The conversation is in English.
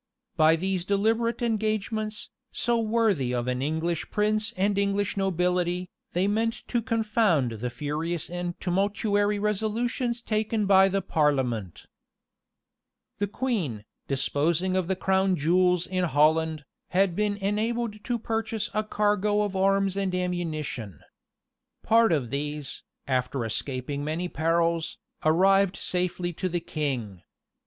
[] By these deliberate engagements, so worthy of an English prince and English nobility, they meant to confound the furious and tumultuary resolutions taken by the parliament. * May, book ii. p. 59. Rush vol. v. p. 626, 627. May, book ii. p. 86. Warwick, p. 210. The queen, disposing of the crown jewels in Holland, had been enabled to purchase a cargo of arms and ammunition. Part of these, after escaping many perils, arrived safely to the king.